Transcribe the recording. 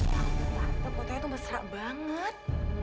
tante fotonya tuh mesra banget